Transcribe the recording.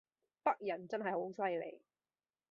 北人真係好犀利